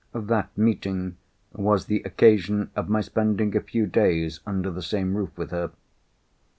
That meeting was the occasion of my spending a few days under the same roof with her.